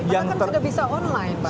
karena kan sudah bisa online pak